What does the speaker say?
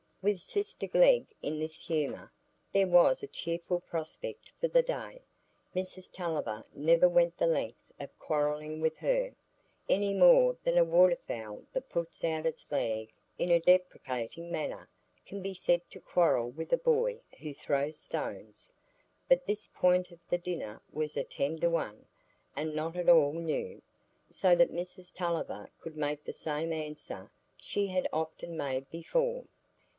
With sister Glegg in this humour, there was a cheerful prospect for the day. Mrs Tulliver never went the length of quarrelling with her, any more than a water fowl that puts out its leg in a deprecating manner can be said to quarrel with a boy who throws stones. But this point of the dinner was a tender one, and not at all new, so that Mrs Tulliver could make the same answer she had often made before.